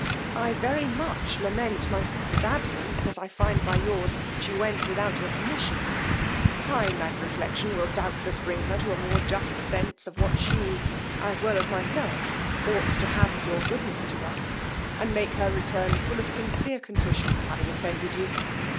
I very much lament my sister's absence, as I find by yours she went without your permission: time and reflection will doubtless bring her to a more just sense of what she, as well as myself, ought to have of your goodness to us, and make her return full of sincere contrition for having offended you.